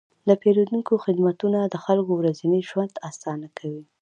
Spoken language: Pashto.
د پیرودونکو خدمتونه د خلکو ورځنی ژوند اسانه کوي.